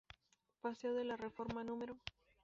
Paseo de la Reforma No.